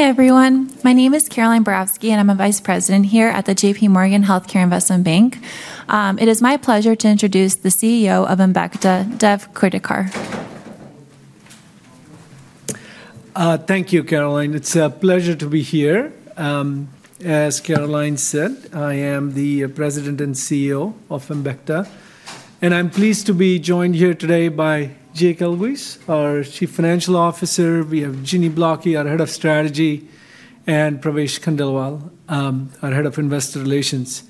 Hi everyone. My name is Caroline Borowski, and I'm a vice president here at the JPMorgan Healthcare Investment Bank. It is my pleasure to introduce the CEO of embecta, Dev Kurdikar. Thank you, Caroline. It's a pleasure to be here. As Caroline said, I am the President and CEO of embecta, and I'm pleased to be joined here today by Jake Elguicze, our Chief Financial Officer. We have Ginny Blocki, our Head of Strategy, and Pravesh Khandelwal, our Head of Investor Relations.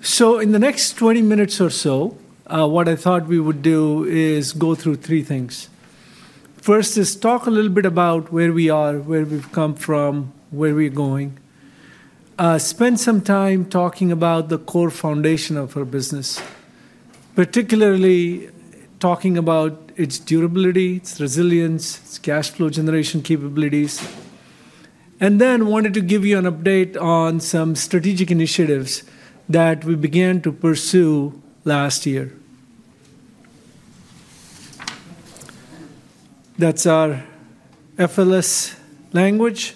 So, in the next 20 minutes or so, what I thought we would do is go through three things. First is talk a little bit about where we are, where we've come from, where we're going. Spend some time talking about the core foundation of our business, particularly talking about its durability, its resilience, its cash flow generation capabilities. And then I wanted to give you an update on some strategic initiatives that we began to pursue last year. That's our FLS language.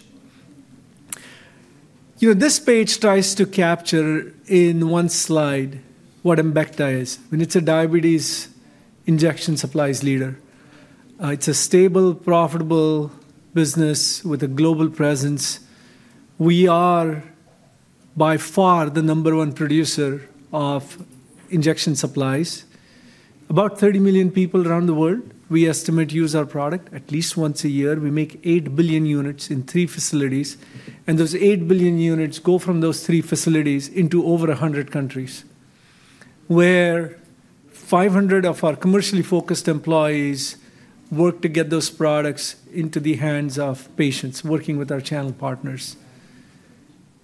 This page tries to capture in one slide what embecta is. I mean, it's a diabetes injection supplies leader. It's a stable, profitable business with a global presence. We are by far the number one producer of injection supplies. About 30 million people around the world, we estimate, use our product at least once a year. We make 8 billion units in three facilities, and those 8 billion units go from those three facilities into over 100 countries, where 500 of our commercially focused employees work to get those products into the hands of patients, working with our channel partners.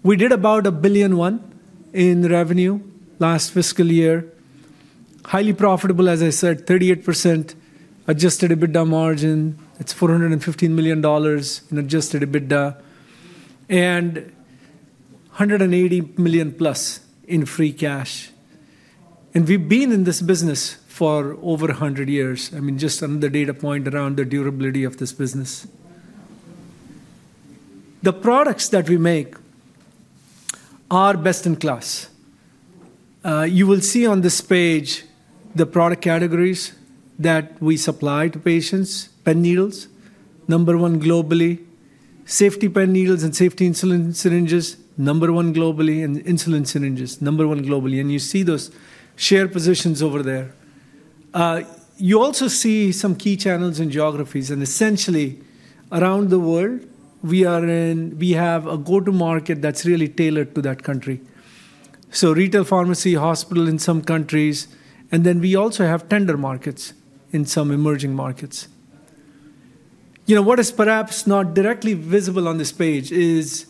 We did about $1.1 billion in revenue last fiscal year. Highly profitable, as I said, 38% adjusted EBITDA margin. It's $415 million in adjusted EBITDA and $180 million+ in free cash. And we've been in this business for over 100 years. I mean, just another data point around the durability of this business. The products that we make are best in class. You will see on this page the product categories that we supply to patients: pen needles, number one globally; safety pen needles and safety insulin syringes, number one globally; and insulin syringes, number one globally, and you see those share positions over there. You also see some key channels and geographies, and essentially, around the world, we have a go-to-market that's really tailored to that country, so retail pharmacy, hospital in some countries, and then we also have tender markets in some emerging markets. What is perhaps not directly visible on this page is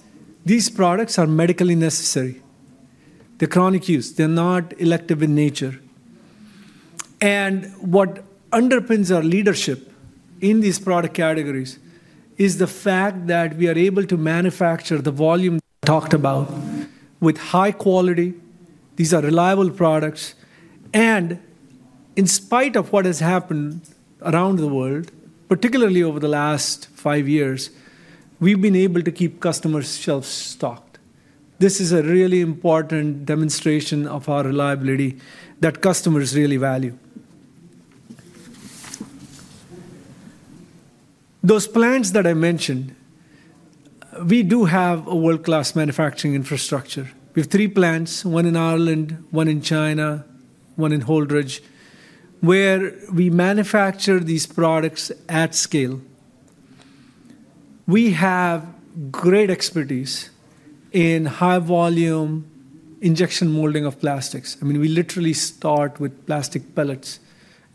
these products are medically necessary. They're chronic use. They're not elective in nature, and what underpins our leadership in these product categories is the fact that we are able to manufacture the volume talked about with high quality. These are reliable products. In spite of what has happened around the world, particularly over the last five years, we've been able to keep customers' shelves stocked. This is a really important demonstration of our reliability that customers really value. Those plants that I mentioned, we do have a world-class manufacturing infrastructure. We have three plants, one in Ireland, one in China, one in Holdrege, where we manufacture these products at scale. We have great expertise in high-volume injection molding of plastics. I mean, we literally start with plastic pellets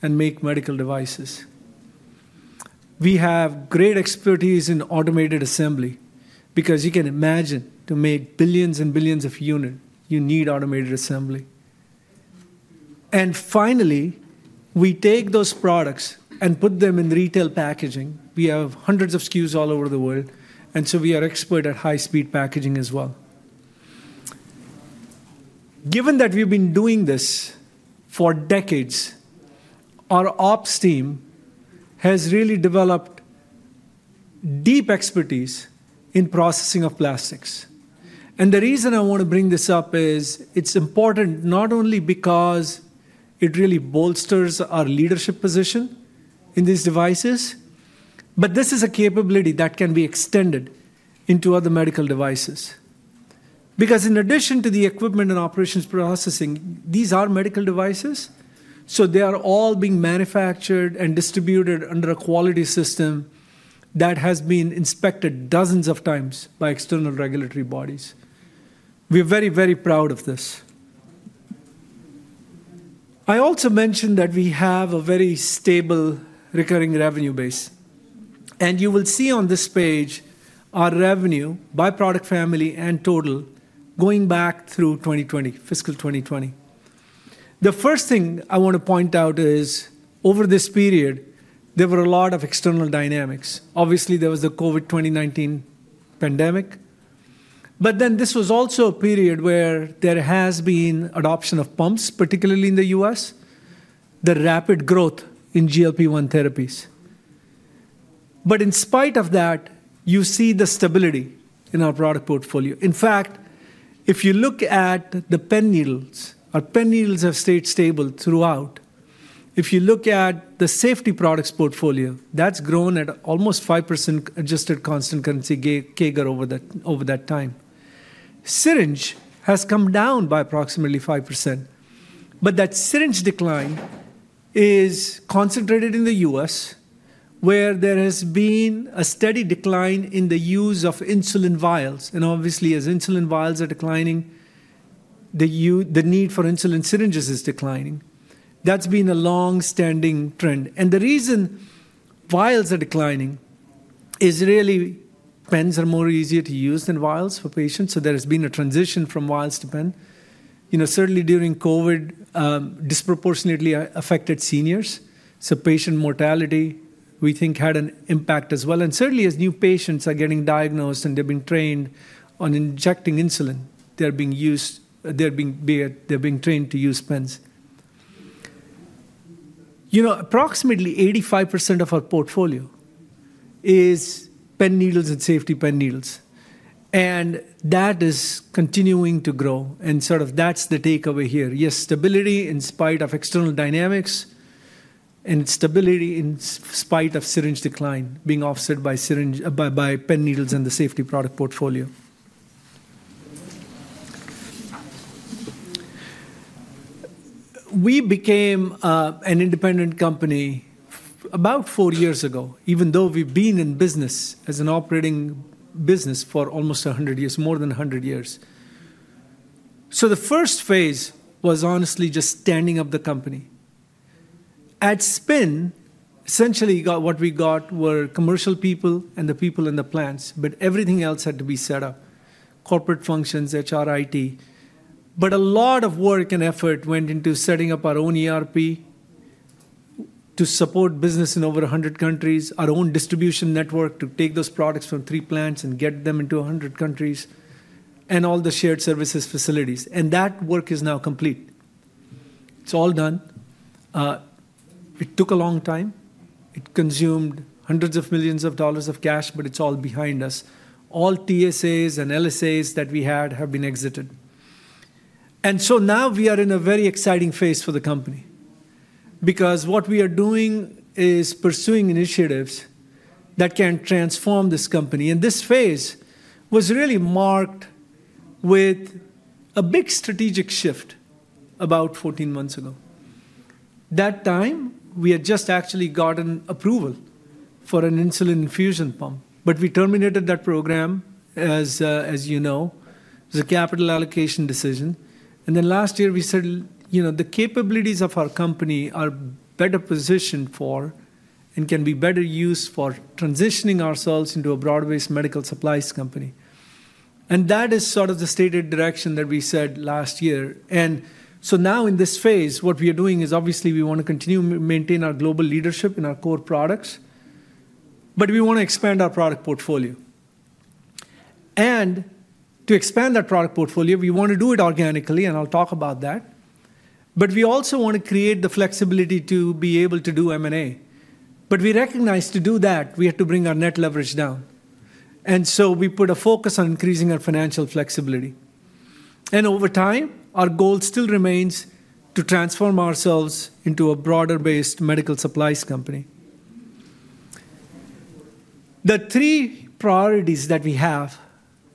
and make medical devices. We have great expertise in automated assembly because, you can imagine, to make billions and billions of units, you need automated assembly. And finally, we take those products and put them in retail packaging. We have hundreds of SKUs all over the world. And so we are expert at high-speed packaging as well. Given that we've been doing this for decades, our ops team has really developed deep expertise in processing of plastics, and the reason I want to bring this up is it's important not only because it really bolsters our leadership position in these devices, but this is a capability that can be extended into other medical devices. Because in addition to the equipment and operations processing, these are medical devices, so they are all being manufactured and distributed under a quality system that has been inspected dozens of times by external regulatory bodies. We're very, very proud of this. I also mentioned that we have a very stable recurring revenue base, and you will see on this page our revenue by product family and total, going back through 2020, fiscal 2020. The first thing I want to point out is, over this period, there were a lot of external dynamics. Obviously, there was the COVID-19 pandemic. But then this was also a period where there has been adoption of pumps, particularly in the U.S., the rapid growth in GLP-1 therapies. But in spite of that, you see the stability in our product portfolio. In fact, if you look at the pen needles, our pen needles have stayed stable throughout. If you look at the safety products portfolio, that's grown at almost 5% adjusted constant currency CAGR over that time. Syringe has come down by approximately 5%, but that syringe decline is concentrated in the U.S., where there has been a steady decline in the use of insulin vials. And obviously, as insulin vials are declining, the need for insulin syringes is declining. That's been a long-standing trend. And the reason vials are declining is really pens are more easier to use than vials for patients. So there has been a transition from vials to pens. Certainly, during COVID, disproportionately affected seniors. So patient mortality, we think, had an impact as well. And certainly, as new patients are getting diagnosed and they've been trained on injecting insulin, they're being trained to use pens. Approximately 85% of our portfolio is pen needles and safety pen needles. And that is continuing to grow. And sort of that's the takeaway here, yes, stability in spite of external dynamics and stability in spite of syringe decline being offset by pen needles and the safety product portfolio. We became an independent company about four years ago, even though we've been in business as an operating business for almost 100 years, more than 100 years. So the first phase was honestly just standing up the company. At spin, essentially, what we got were commercial people and the people in the plants, but everything else had to be set up, corporate functions, HR, IT, but a lot of work and effort went into setting up our own ERP to support business in over 100 countries, our own distribution network to take those products from three plants and get them into 100 countries, and all the shared services facilities, and that work is now complete. It's all done. It took a long time. It consumed hundreds of millions of dollars of cash, but it's all behind us. All TSAs and LSAs that we had have been exited. And so now we are in a very exciting phase for the company because what we are doing is pursuing initiatives that can transform this company, and this phase was really marked with a big strategic shift about 14 months ago. That time, we had just actually gotten approval for an insulin infusion pump, but we terminated that program, as you know. It was a capital allocation decision, and then last year, we said the capabilities of our company are better positioned for and can be better used for transitioning ourselves into a broad-based medical supplies company. And that is sort of the stated direction that we said last year, and so now in this phase, what we are doing is obviously we want to continue to maintain our global leadership in our core products, but we want to expand our product portfolio. And to expand that product portfolio, we want to do it organically, and I'll talk about that, but we also want to create the flexibility to be able to do M&A, but we recognize, to do that, we have to bring our net leverage down. And so we put a focus on increasing our financial flexibility. And over time, our goal still remains to transform ourselves into a broader-based medical supplies company. The three priorities that we have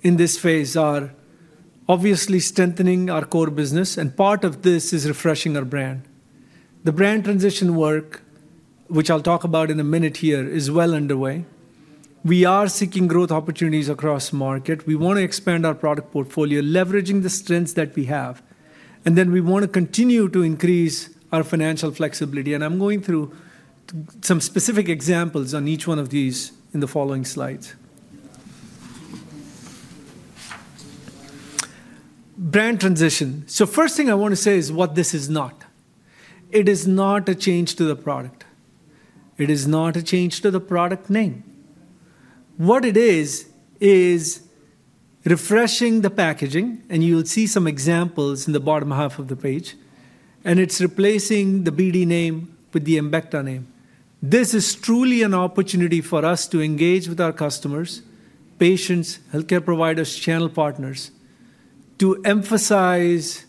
in this phase are obviously strengthening our core business, and part of this is refreshing our brand. The brand transition work, which I'll talk about in a minute here, is well underway. We are seeking growth opportunities across the market. We want to expand our product portfolio, leveraging the strengths that we have. And then we want to continue to increase our financial flexibility. And I'm going through some specific examples on each one of these in the following slides. Brand transition. So first thing I want to say is what this is not. It is not a change to the product. It is not a change to the product name. What it is, is refreshing the packaging, and you'll see some examples in the bottom half of the page, and it's replacing the BD name with the embecta name. This is truly an opportunity for us to engage with our customers, patients, healthcare providers, channel partners to emphasize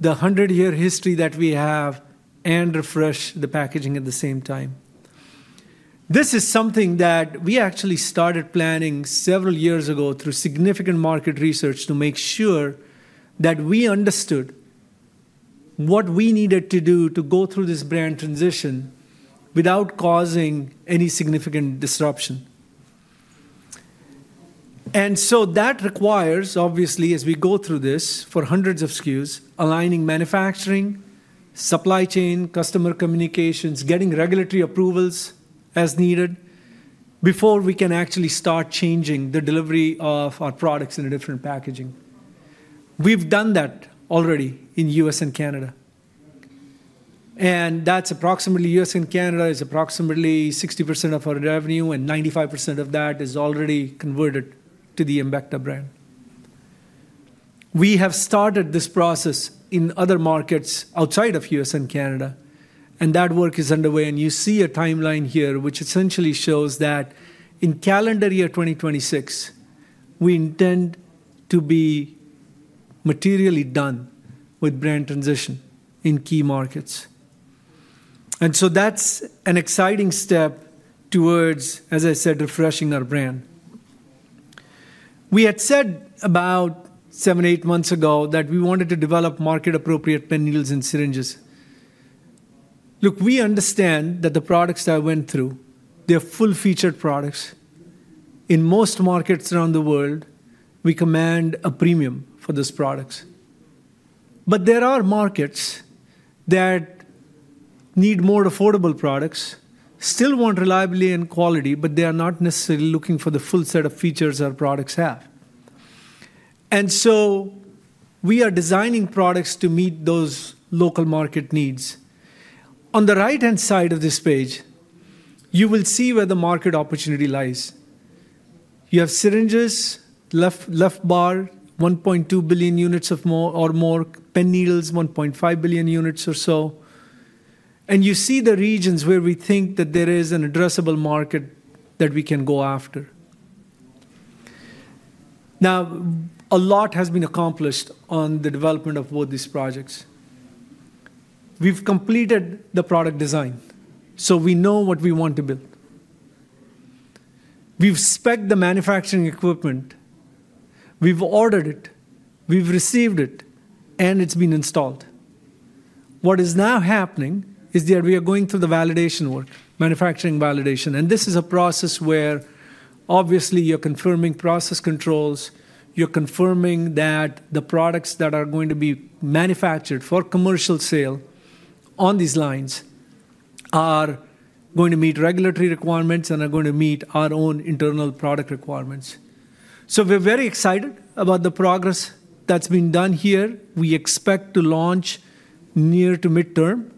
the 100-year history that we have and refresh the packaging at the same time. This is something that we actually started planning several years ago through significant market research to make sure that we understood what we needed to do to go through this brand transition without causing any significant disruption. So that requires, obviously, as we go through this for hundreds of SKUs, aligning manufacturing, supply chain, customer communications, getting regulatory approvals as needed before we can actually start changing the delivery of our products in a different packaging. We've done that already in U.S. and Canada. And that's approximately U.S. and Canada is approximately 60% of our revenue, and 95% of that is already converted to the embecta brand. We have started this process in other markets outside of U.S. and Canada, and that work is underway. And you see a timeline here which essentially shows that, in calendar year 2026, we intend to be materially done with brand transition in key markets. And so that's an exciting step towards, as I said, refreshing our brand. We had said about seven, eight months ago that we wanted to develop market-appropriate pen needles and syringes. Look, we understand that, the products I went through, they're full-featured products. In most markets around the world, we command a premium for those products, but there are markets that need more affordable products, still want reliability and quality, but they are not necessarily looking for the full set of features our products have. And so we are designing products to meet those local market needs. On the right-hand side of this page, you will see where the market opportunity lies. You have syringes, left bar, 1.2 billion units or more, pen needles, 1.5 billion units or so. And you see the regions where we think that there is an addressable market that we can go after. Now, a lot has been accomplished on the development of both these projects. We've completed the product design, so we know what we want to build. We've specced the manufacturing equipment. We've ordered it. We've received it, and it's been installed. What is now happening is that we are going through the validation work, manufacturing validation. This is a process where, obviously, you're confirming process controls. You're confirming that the products that are going to be manufactured for commercial sale on these lines are going to meet regulatory requirements and are going to meet our own internal product requirements. We're very excited about the progress that's been done here. We expect to launch near to midterm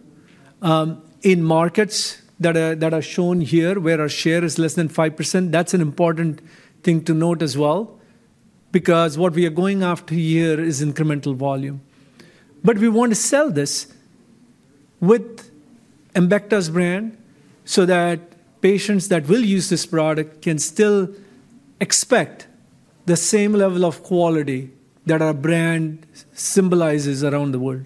in markets that are shown here, where our share is less than 5%. That's an important thing to note as well because what we are going after here is incremental volume, but we want to sell this with embecta's brand so that patients that will use this product can still expect the same level of quality that our brand symbolizes around the world.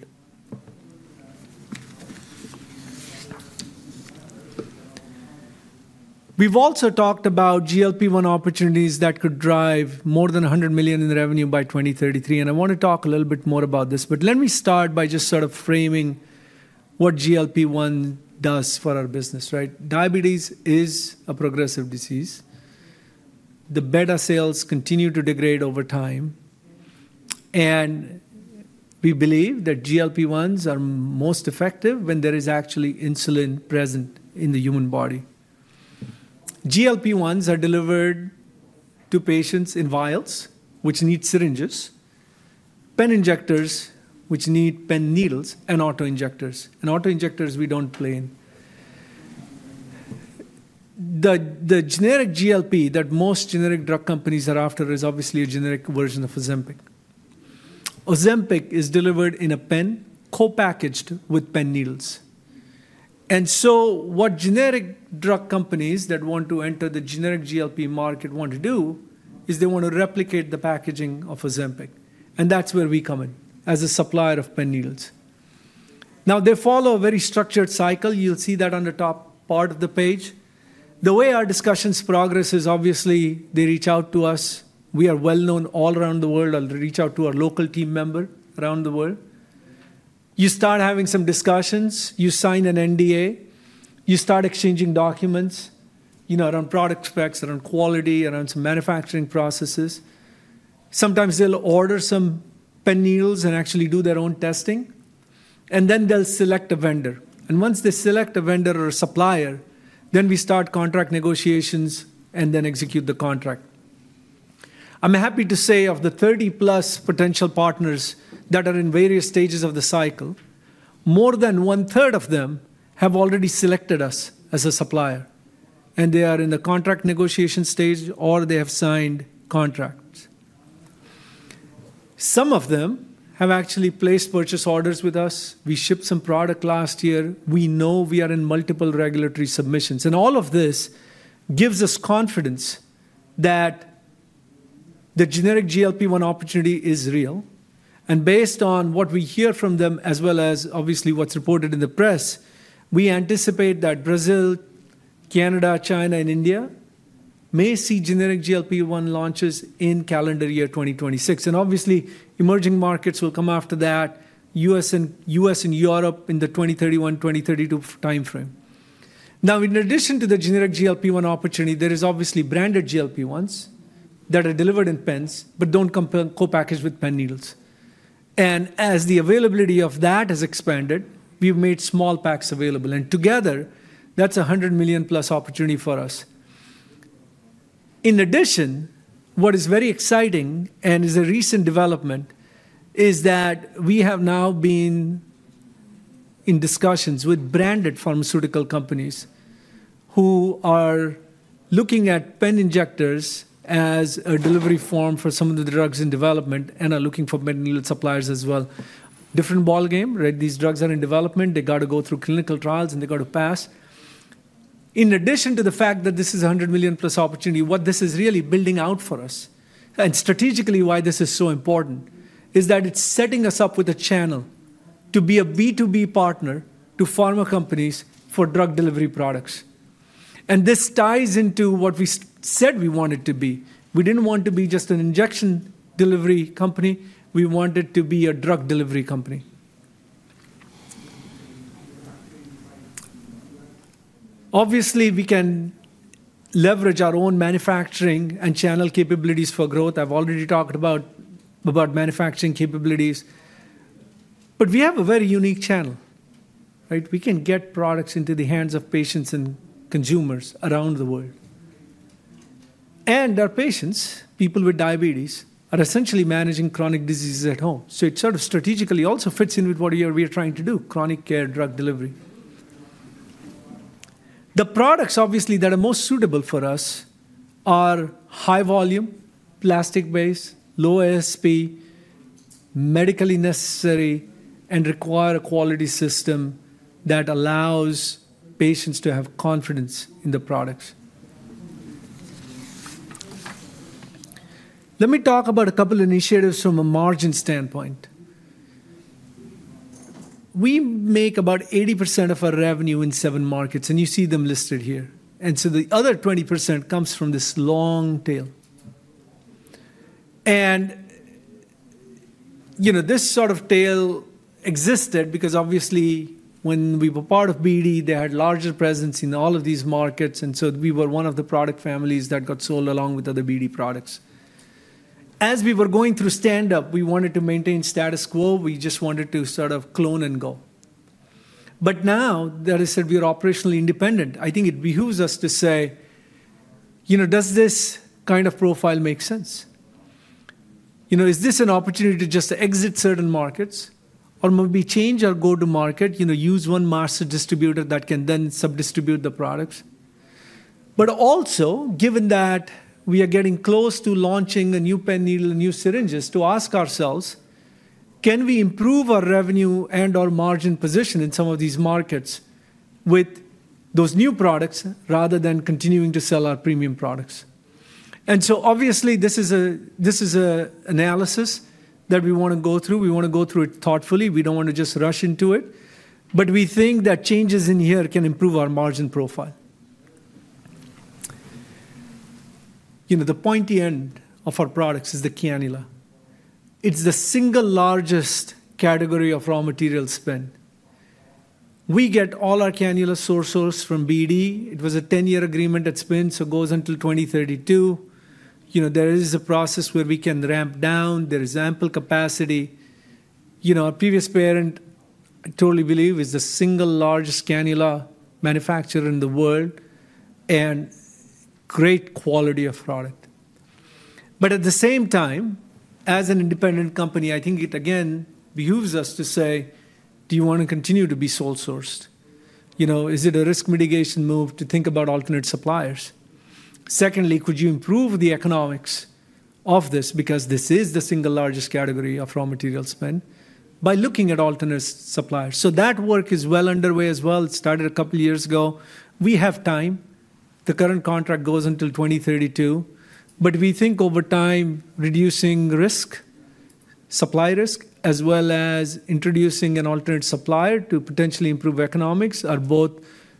We've also talked about GLP-1 opportunities that could drive more than $100 million in revenue by 2033. I want to talk a little bit more about this, but let me start by just sort of framing what GLP-1 does for our business, right? Diabetes is a progressive disease. The beta cells continue to degrade over time. We believe that GLP-1s are most effective when there is actually insulin present in the human body. GLP-1s are delivered to patients in vials, which need syringes, pen injectors, which need pen needles, and autoinjectors. Autoinjectors, we don't play in. The generic GLP that most generic drug companies are after is obviously a generic version of Ozempic. Ozempic is delivered in a pen co-packaged with pen needles. What generic drug companies that want to enter the generic GLP market want to do is they want to replicate the packaging of Ozempic. That's where we come in as a supplier of pen needles. Now, they follow a very structured cycle. You'll see that on the top part of the page. The way our discussions progress is obviously they reach out to us. We are well known all around the world. I'll reach out to our local team member around the world. You start having some discussions. You sign an NDA. You start exchanging documents around product specs, around quality, around some manufacturing processes. Sometimes they'll order some pen needles and actually do their own testing, and then they'll select a vendor, and once they select a vendor or a supplier, then we start contract negotiations and then execute the contract. I'm happy to say, of the 30+ potential partners that are in various stages of the cycle, more than 1/3 of them have already selected us as a supplier, and they are in the contract negotiation stage or they have signed contracts. Some of them have actually placed purchase orders with us. We shipped some product last year. We know we are in multiple regulatory submissions. And all of this gives us confidence that the generic GLP-1 opportunity is real. And based on what we hear from them, as well as obviously what's reported in the press, we anticipate that Brazil, Canada, China, and India may see generic GLP-1 launches in calendar year 2026. And obviously, emerging markets will come after that, U.S. and Europe in the 2031, 2032 timeframe. Now, in addition to the generic GLP-1 opportunity, there is obviously branded GLP-1s that are delivered in pens but don't co-package with pen needles. And as the availability of that has expanded, we've made small packs available. And together, that's a $100 million+ opportunity for us. In addition, what is very exciting and is a recent development is that we have now been in discussions with branded pharmaceutical companies who are looking at pen injectors as a delivery form for some of the drugs in development and are looking for pen needle suppliers as well. Different ballgame, right? These drugs are in development. They've got to go through clinical trials, and they've got to pass. In addition to the fact that this is a $100 million+ opportunity, what this is really building out for us and strategically why this is so important is that it's setting us up with a channel to be a B2B partner to pharma companies for drug delivery products. And this ties into what we said we wanted to be. We didn't want to be just an injection delivery company. We wanted to be a drug delivery company. Obviously, we can leverage our own manufacturing and channel capabilities for growth. I've already talked about manufacturing capabilities, but we have a very unique channel, right? We can get products into the hands of patients and consumers around the world. And our patients, people with diabetes, are essentially managing chronic diseases at home, so it sort of strategically also fits in with what we are trying to do, chronic care drug delivery. The products, obviously, that are most suitable for us are high volume, plastic-based, low ASP, medically necessary, and require a quality system that allows patients to have confidence in the products. Let me talk about a couple of initiatives from a margin standpoint. We make about 80% of our revenue in seven markets, and you see them listed here. And so the other 20% comes from this long tail. This sort of tail existed because, obviously, when we were part of BD, they had larger presence in all of these markets. So we were one of the product families that got sold along with other BD products. As we were going through stand-up, we wanted to maintain status quo. We just wanted to sort of clone and go. Now, that said, we are operationally independent. I think it behooves us to say, does this kind of profile make sense? Is this an opportunity to just exit certain markets, or maybe change our go-to-market, use one master distributor that can then sub-distribute the products? But also, given that we are getting close to launching a new pen needle, new syringes, to ask ourselves, can we improve our revenue and our margin position in some of these markets with those new products rather than continuing to sell our premium products? And so, obviously, this is an analysis that we want to go through. We want to go through it thoughtfully. We don't want to just rush into it, but we think that changes in here can improve our margin profile. The pointy end of our products is the cannula. It's the single largest category of raw material spend. We get all our cannula sources from BD. It was a 10-year agreement at spin, so it goes until 2032. There is a process where we can ramp down. There is ample capacity. Our previous parent, I totally believe, is the single largest cannula manufacturer in the world and great quality of product, but at the same time, as an independent company, I think it again behooves us to say, do you want to continue to be sole-sourced? Is it a risk mitigation move to think about alternate suppliers? Secondly, could you improve the economics of this, because this is the single largest category of raw material spend, by looking at alternate suppliers? So that work is well underway as well. It started a couple of years ago. We have time. The current contract goes until 2032. But we think over time, reducing risk, supply risk, as well as introducing an alternate supplier to potentially improve economics are both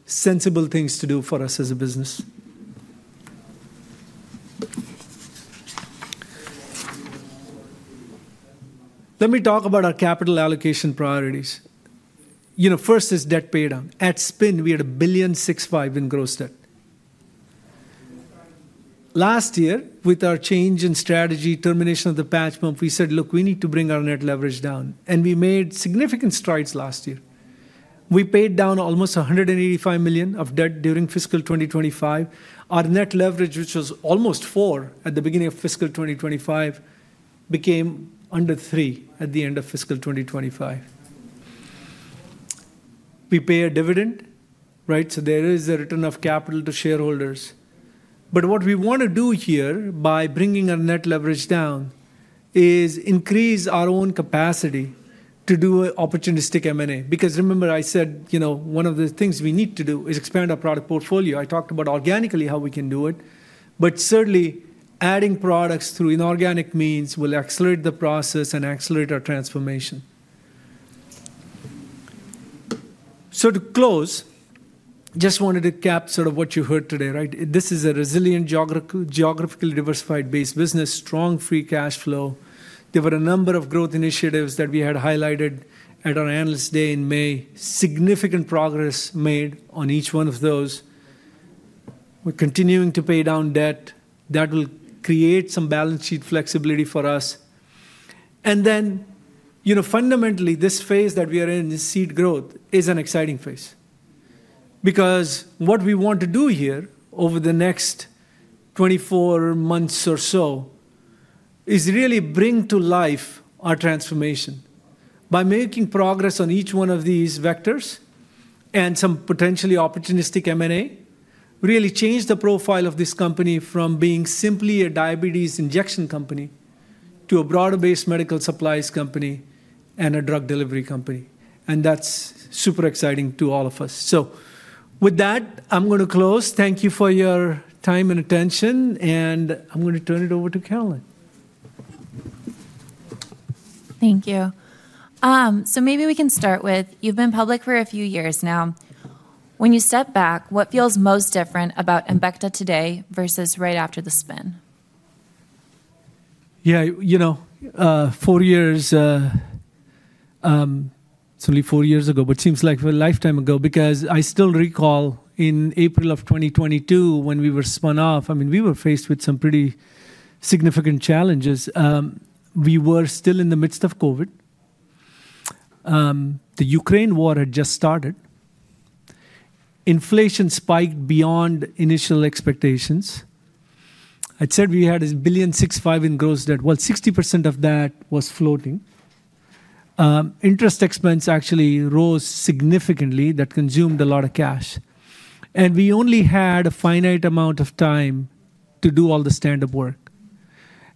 sensible things to do for us as a business. Let me talk about our capital allocation priorities. First is debt paydown. At spin, we had $1.65 billion in gross debt. Last year, with our change in strategy, termination of the patch pump, we said, look, we need to bring our net leverage down. And we made significant strides last year. We paid down almost $185 million of debt during fiscal 2025. Our net leverage, which was almost 4x at the beginning of fiscal 2025, became under 3x at the end of fiscal 2025. We pay a dividend, right? So there is a return of capital to shareholders. But what we want to do here by bringing our net leverage down is increase our own capacity to do opportunistic M&A because remember I said, one of the things we need to do is expand our product portfolio. I talked about organically how we can do it, but certainly, adding products through inorganic means will accelerate the process and accelerate our transformation. So to close, just wanted to cap sort of what you heard today, right? This is a resilient, geographically diversified-based business, strong free cash flow. There were a number of growth initiatives that we had highlighted at our analyst day in May. Significant progress made on each one of those. We're continuing to pay down debt. That will create some balance sheet flexibility for us. And then, fundamentally, this phase that we are in, this seed growth, is an exciting phase. Because what we want to do here over the next 24 months or so is really bring to life our transformation by making progress on each one of these vectors and some potentially opportunistic M&A, really change the profile of this company from being simply a diabetes injection company to a broader-based medical supplies company and a drug delivery company. And that's super exciting to all of us. With that, I'm going to close. Thank you for your time and attention. I'm going to turn it over to Caroline. Thank you. Maybe we can start with you've been public for a few years now. When you step back, what feels most different about embecta today versus right after the spin? Yeah, four years, certainly four years ago, but seems like a lifetime ago because I still recall in April of 2022 when we were spun off. I mean we were faced with some pretty significant challenges. We were still in the midst of COVID. The Ukraine war had just started. Inflation spiked beyond initial expectations. I'd said we had $1.65 billion in gross debt. Well, 60% of that was floating. Interest expense actually rose significantly. That consumed a lot of cash. We only had a finite amount of time to do all the stand-up work.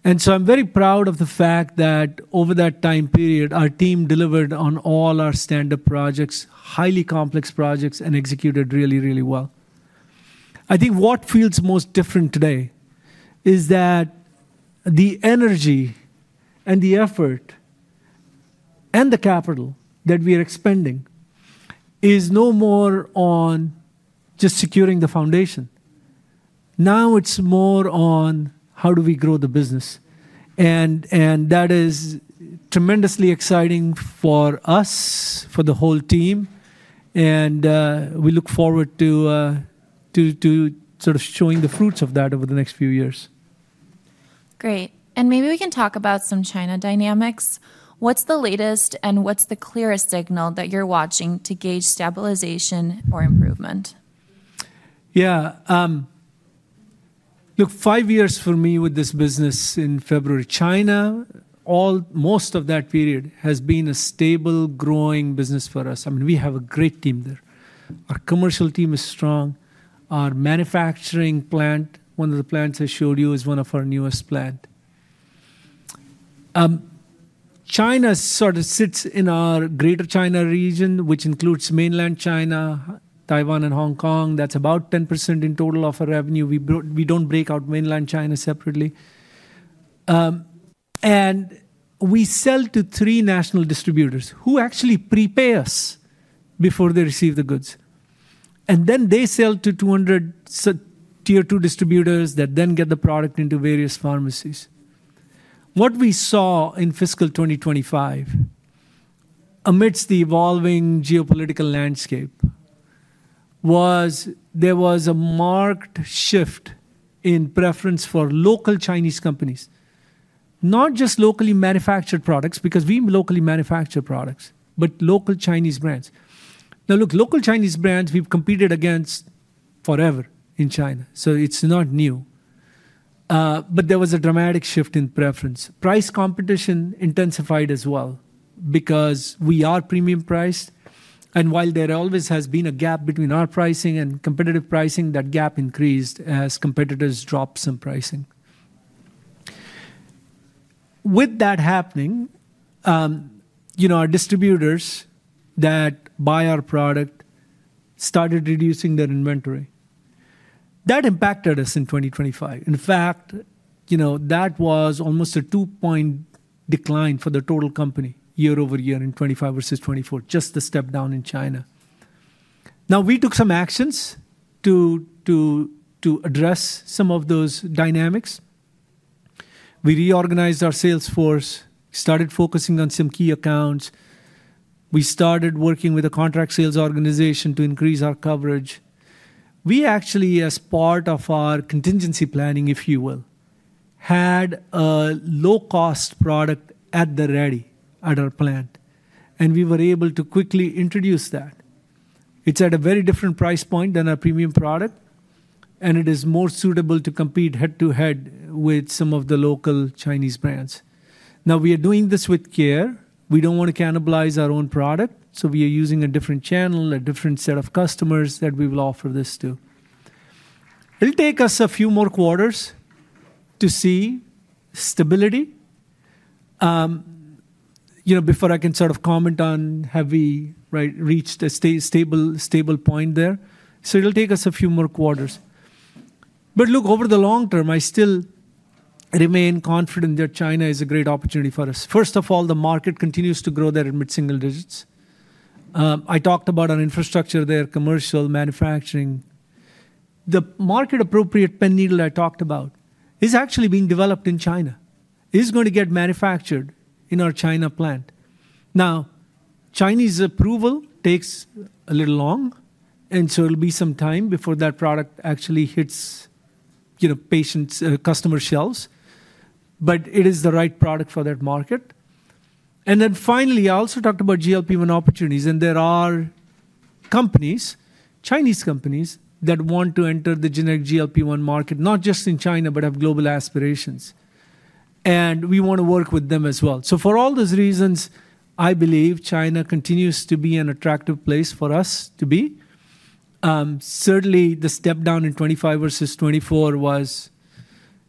I'm very proud of the fact that over that time period, our team delivered on all our stand-up projects, highly complex projects, and executed really, really well. I think what feels most different today is that the energy and the effort and the capital that we are expending is no more on just securing the foundation. Now it's more on how do we grow the business. That is tremendously exciting for us, for the whole team. We look forward to sort of showing the fruits of that over the next few years. Great. Maybe we can talk about some China dynamics. What's the latest and what's the clearest signal that you're watching to gauge stabilization or improvement? Yeah. Look, five years for me with this business in February. China, most of that period, has been a stable, growing business for us. I mean we have a great team there. Our commercial team is strong. Our manufacturing plant, one of the plants I showed you, is one of our newest plants. China sort of sits in our Greater China region, which includes mainland China, Taiwan, and Hong Kong. That's about 10% in total of our revenue. We don't break out mainland China separately. And we sell to three national distributors who actually prepay us before they receive the goods. And then they sell to 200 tier two distributors that then get the product into various pharmacies. What we saw in fiscal 2025, amidst the evolving geopolitical landscape, was there was a marked shift in preference for local Chinese companies, not just locally manufactured products, because we locally manufacture products, but local Chinese brands. Now, look, local Chinese brands, we've competed against forever in China, so it's not new, but there was a dramatic shift in preference. Price competition intensified as well because we are premium priced. And while there always has been a gap between our pricing and competitive pricing, that gap increased as competitors dropped some pricing. With that happening, our distributors that buy our product started reducing their inventory. That impacted us in 2025. In fact, that was almost a 2-point decline for the total company year-over-year in 2025 versus 2024, just the step down in China. Now, we took some actions to address some of those dynamics. We reorganized our sales force, started focusing on some key accounts. We started working with a contract sales organization to increase our coverage. We actually, as part of our contingency planning, if you will, had a low-cost product at the ready at our plant, and we were able to quickly introduce that. It's at a very different price point than our premium product, and it is more suitable to compete head-to-head with some of the local Chinese brands. Now, we are doing this with care. We don't want to cannibalize our own product, so we are using a different channel, a different set of customers that we will offer this to. It'll take us a few more quarters to see stability before I can sort of comment on have we reached a stable point there. So it'll take us a few more quarters, but look, over the long term, I still remain confident that China is a great opportunity for us. First of all, the market continues to grow there in mid single digits. I talked about our infrastructure there, commercial, manufacturing. The market-appropriate pen needle I talked about is actually being developed in China, is going to get manufactured in our China plant. Now, Chinese approval takes a little long. And so it'll be some time before that product actually hits customer shelves, but it is the right product for that market. And then finally, I also talked about GLP-1 opportunities. And there are companies, Chinese companies, that want to enter the generic GLP-1 market, not just in China but have global aspirations. And we want to work with them as well. So for all those reasons, I believe China continues to be an attractive place for us to be. Certainly, the step down in 2025 versus 2024 was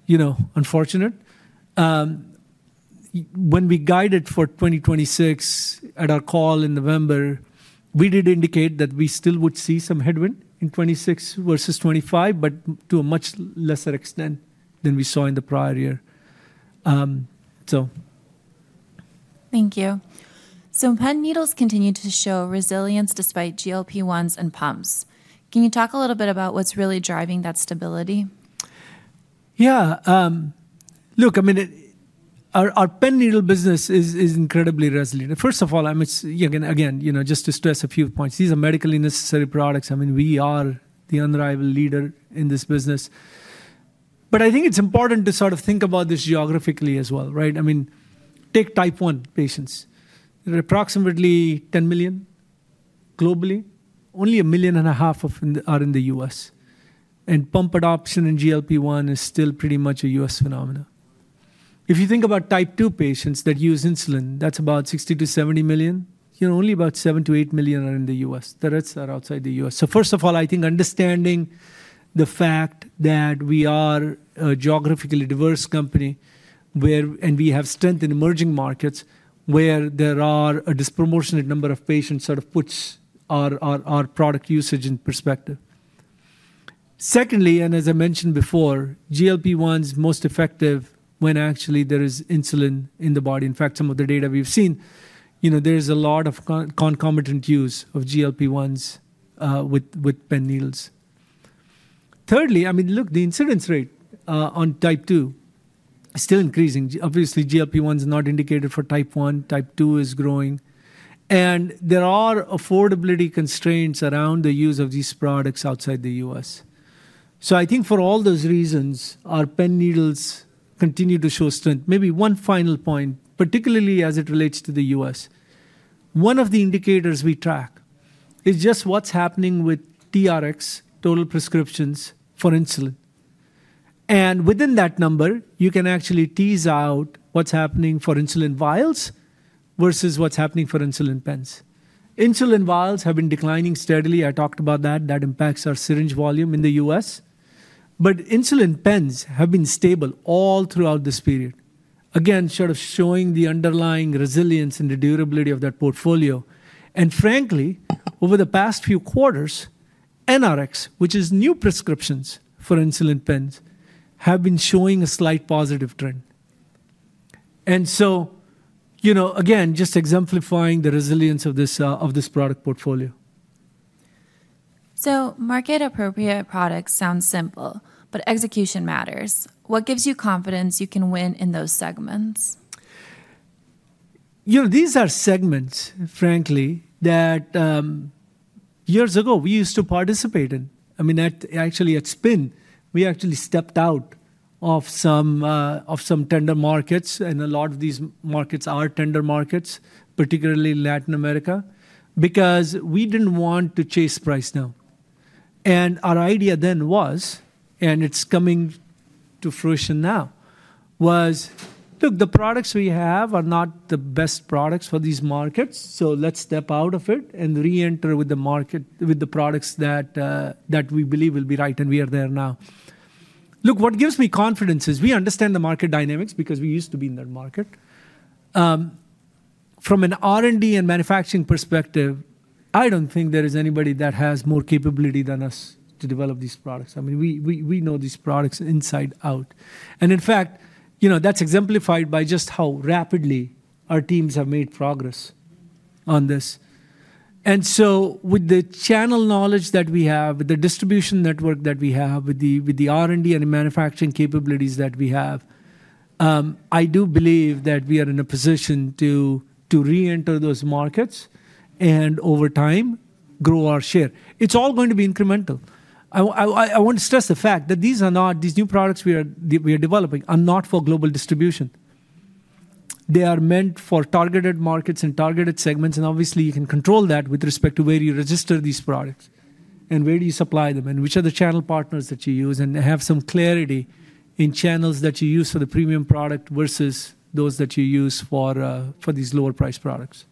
unfortunate. When we guided for 2026 at our call in November, we did indicate that we still would see some headwind in 2026 versus 2025 but to a much lesser extent than we saw in the prior year. So. Thank you. So pen needles continue to show resilience despite GLP-1s and pumps. Can you talk a little bit about what's really driving that stability? Yeah. Look, I mean, our pen needle business is incredibly resilient. First of all, I mean, again, just to stress a few points. These are medically necessary products. I mean we are the unrivaled leader in this business, but I think it's important to sort of think about this geographically as well, right? I mean take type 1 patients. There are approximately 10 million globally. Only 1.5 million are in the U.S. And pump adoption in GLP-1 is still pretty much a U.S. phenomenon. If you think about type 2 patients that use insulin, that's about 60 million-70 million. Only about 7 million-8 million are in the U.S. The rest are outside the U.S. So first of all, I think understanding the fact that we are a geographically diverse company and we have strength in emerging markets where there are a disproportionate number of patients sort of puts our product usage in perspective. Secondly, and as I mentioned before, GLP-1 is most effective when actually there is insulin in the body. In fact, some of the data we've seen, there is a lot of concomitant use of GLP-1s with pen needles. Thirdly, I mean, look, the incidence rate on type 2 is still increasing. Obviously, GLP-1 is not indicated for type 1. Type 2 is growing. And there are affordability constraints around the use of these products outside the U.S. So I think, for all those reasons, our pen needles continue to show strength. Maybe one final point, particularly as it relates to the U.S. One of the indicators we track is just what's happening with TRx, total prescriptions, for insulin. And within that number, you can actually tease out what's happening for insulin vials versus what's happening for insulin pens. Insulin vials have been declining steadily. I talked about that. That impacts our syringe volume in the U.S., but insulin pens have been stable all throughout this period. Again, sort of showing the underlying resilience and the durability of that portfolio. And frankly, over the past few quarters, NRx, which is new prescriptions, for insulin pens have been showing a slight positive trend. And so again just exemplifying the resilience of this product portfolio. So market-appropriate products sound simple, but execution matters. What gives you confidence you can win in those segments? These are segments, frankly, that years ago we used to participate in. I mean, actually at spin, we actually stepped out of some tender markets, and a lot of these markets are tender markets, particularly Latin America, because we didn't want to chase price now. And our idea then was, and it's coming to fruition now, was, look, the products we have are not the best products for these markets, so let's step out of it and re-enter with the products that we believe will be right and we are there now. Look, what gives me confidence is we understand the market dynamics because we used to be in that market. From an R&D and manufacturing perspective, I don't think there is anybody that has more capability than us to develop these products. I mean, we know these products inside out, and in fact, that's exemplified by just how rapidly our teams have made progress on this. And so with the channel knowledge that we have, with the distribution network that we have, with the R&D and the manufacturing capabilities that we have, I do believe that we are in a position to re-enter those markets and over time grow our share. It's all going to be incremental. I want to stress the fact that these new products we are developing are not for global distribution. They are meant for targeted markets and targeted segments. And obviously, you can control that with respect to where you register these products and where do you supply them and which are the channel partners that you use and have some clarity in channels that you use for the premium product versus those that you use for these lower-priced products.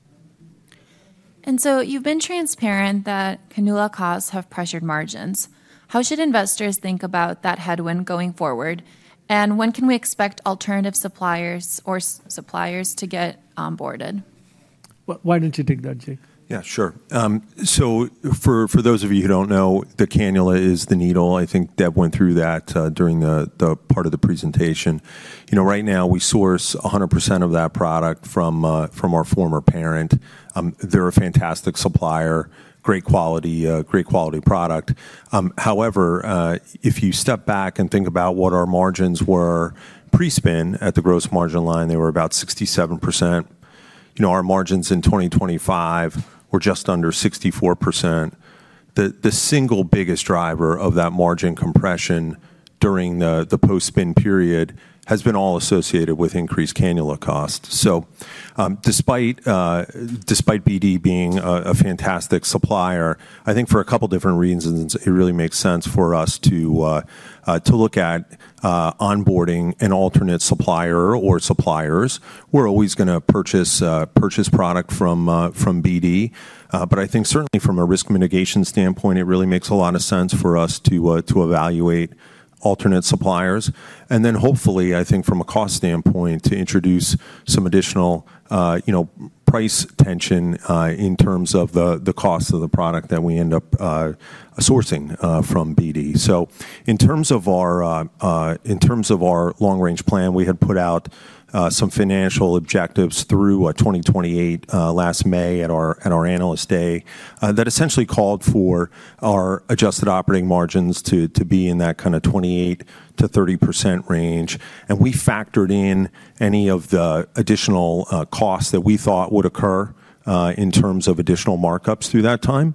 And so you've been transparent that cannula costs have pressured margins. How should investors think about that headwind going forward? And when can we expect alternative suppliers or suppliers to get onboarded? Why don't you take that, Jake? Yeah, sure. So for those of you who don't know, the cannula is the needle. I think Dev went through that during the part of the presentation. Right now, we source 100% of that product from our former parent. They're a fantastic supplier, great-quality product. However, if you step back and think about what our margins were pre-spin at the gross margin line, they were about 67%. Our margins in 2025 were just under 64%. The single biggest driver of that margin compression during the post-spin period has been all associated with increased cannula costs, so despite BD being a fantastic supplier, I think, for a couple of different reasons, it really makes sense for us to look at onboarding an alternate supplier or suppliers. We're always going to purchase product from BD, but I think certainly from a risk mitigation standpoint it really makes a lot of sense for us to evaluate alternate suppliers; and then hopefully, I think, from a cost standpoint, to introduce some additional price tension in terms of the cost of the product that we end up sourcing from BD. So in terms of our long-range plan, we had put out some financial objectives through 2028 last May at our analyst day that essentially called for our adjusted operating margins to be in that kind of 28%-30% range. And we factored in any of the additional costs that we thought would occur in terms of additional markups through that time.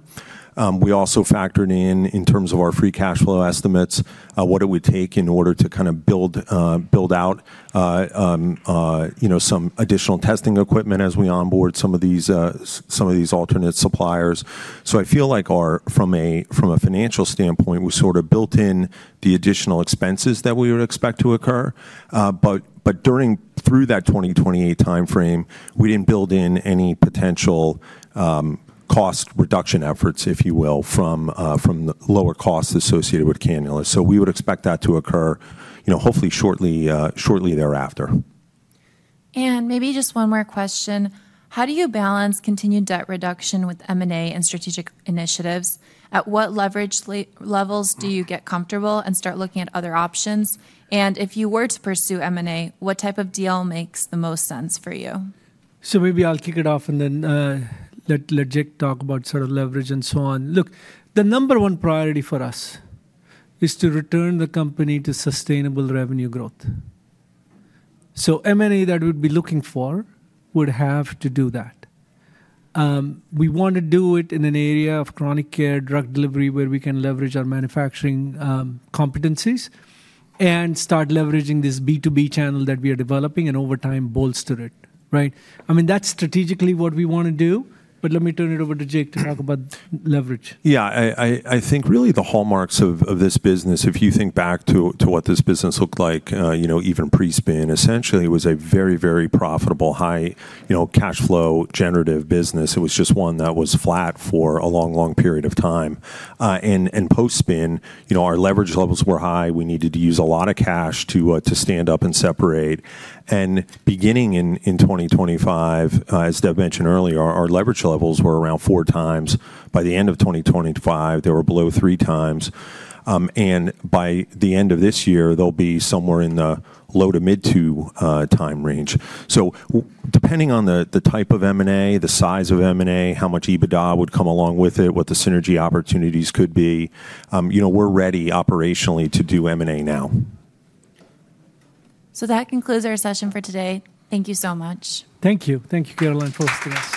We also factored in, in terms of our free cash flow estimates, what it would take in order to kind of build out some additional testing equipment as we onboard some of these alternate suppliers. So I feel like, from a financial standpoint, we sort of built in the additional expenses that we would expect to occur. But through that 2028 timeframe, we didn't build in any potential cost reduction efforts, if you will, from the lower costs associated with cannula. So we would expect that to occur, hopefully, shortly thereafter. And maybe just one more question. How do you balance continued debt reduction with M&A and strategic initiatives? At what leverage levels do you get comfortable and start looking at other options? And if you were to pursue M&A, what type of deal makes the most sense for you? So maybe I'll kick it off and then let Jake talk about sort of leverage and so on. Look, the number one priority for us is to return the company to sustainable revenue growth, so M&A that we'd be looking for would have to do that. We want to do it in an area of chronic care, drug delivery, where we can leverage our manufacturing competencies and start leveraging this B2B channel that we are developing and over time bolster it, right? I mean, that's strategically what we want to do, but let me turn it over to Jake to talk about leverage. Yeah. I think really the hallmarks of this business, if you think back to what this business looked like even pre-spin, essentially was a very, very profitable, high-cash-flow generative business. It was just one that was flat for a long, long period of time. And post spin, our leverage levels were high. We needed to use a lot of cash to stand up and separate. And beginning in 2025, as Dev mentioned earlier, our leverage levels were around 4x. By the end of 2025, they were below 3x. And by the end of this year, they'll be somewhere in the low- to mid-2x range, so depending on the type of M&A, the size of M&A, how much EBITDA would come along with it, what the synergy opportunities could be, we're ready operationally to do M&A now. So that concludes our session for today. Thank you so much. Thank you. Thank you, Caroline, for hosting us.